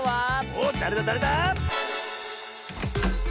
おっだれだだれだ？